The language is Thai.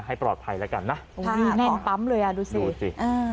ให้ปลอดภัยแล้วกันนะโอ้นี่แน่นปั๊มเลยอ่ะดูสิดูสิอ่า